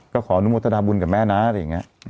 ก็ขออนุโมทนาบุญกับแม่นะอะไรอย่างนี้